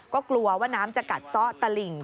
ก็กลัวว่าน้ำจะกัดซ่อตะหลิ่ง